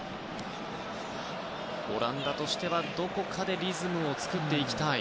オランダとしてはどこかでリズムを作っていきたい。